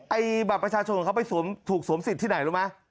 ไอ้บัตรประชาชนของเขาไปถูกสวมสิทธิ์ที่ไหนรู้ไหม